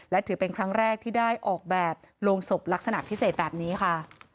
และถือเป็นครั้งแรกที่ได้ออกแบบโรงศพลักษณะพิเศษแบบนี้ค่ะ